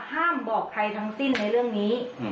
บอกใครทั้งสิ้นในเรื่องนี้